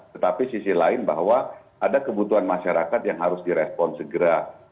tetapi sisi lain bahwa ada kebutuhan masyarakat yang harus direspon segera